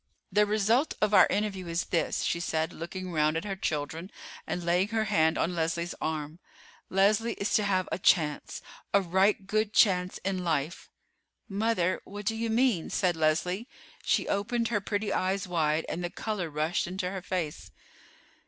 "The result of our interview is this," she said, looking round at her children and laying her hand on Leslie's arm. "Leslie is to have a chance, a right good chance in life." "Mother, what do you mean?" said Leslie. She opened her pretty eyes wide, and the color rushed into her face.